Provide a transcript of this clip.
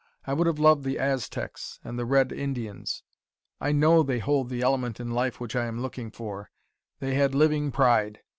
I would have loved the Aztecs and the Red Indians. I KNOW they hold the element in life which I am looking for they had living pride.